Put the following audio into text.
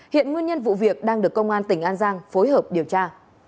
hiện nguyên nhân vụ việc đang được công an tỉnh an giang phối hợp điều tra